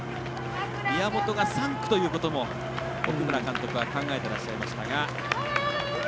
宮本が３区ということも奥村監督考えてらっしゃいましたが。